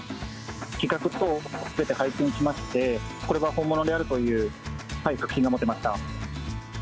規格等すべて拝見いたしまして、これは本物であるという確信が持てました。